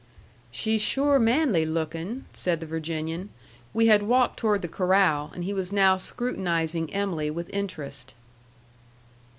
"She's sure manly lookin'," said the Virginian. We had walked toward the corral, and he was now scrutinizing Em'ly with interest.